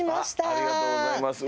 ありがとうございます。